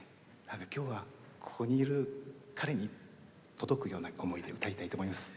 今日はここにいる彼に届くような思いで歌いたいと思います。